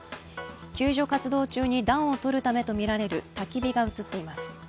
救助活動中に暖をとるためとみられるたき火が映っています。